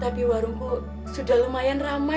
tapi warungku sudah lumayan ramai